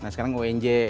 nah sekarang unj